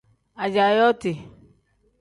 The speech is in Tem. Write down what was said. Ajaa yooti.